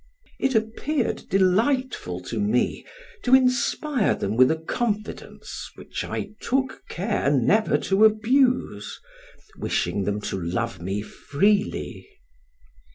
It appeared delightful to me, to inspire them with a confidence which I took care never to abuse, wishing them to love me freely.